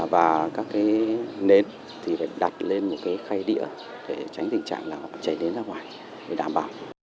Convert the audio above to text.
và các cái nến thì phải đặt lên một cái khay địa để tránh tình trạng là nó chảy đến ra ngoài để đảm bảo